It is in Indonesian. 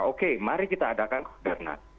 oke mari kita adakan ketua umum